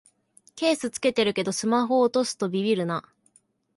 ケース付けてるけどスマホ落とすとビビるな